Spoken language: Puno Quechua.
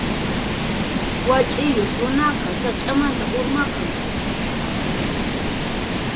Wach'iyuq runaqa sach'amanta urmaqan.